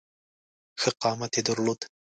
ښه قامت یې درلود.